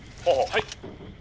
「はい」。